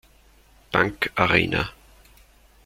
Bank Arena.